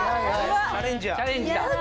チャレンジや。